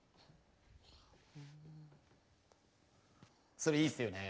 それいいっすよね。